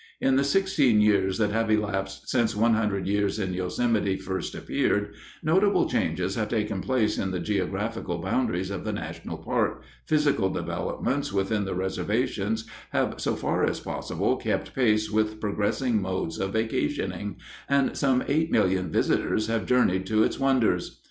_ _In the sixteen years that have elapsed since One Hundred Years in Yosemite first appeared, notable changes have taken place in the geographical boundaries of the national park, physical developments within the reservation have, so far as possible, kept pace with progressing modes of vacationing, and some eight million visitors have journeyed to its wonders.